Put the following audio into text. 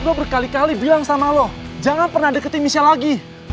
gue berkali kali bilang sama lo jangan pernah deketin misya lagi